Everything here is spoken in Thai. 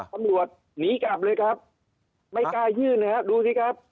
ตำรวจหนีกลับเลยครับไม่กล้ายื่นนะครับดูสิครับ